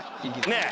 ねえ？